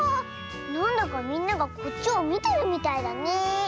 なんだかみんながこっちをみてるみたいだねえ。